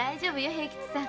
平吉さん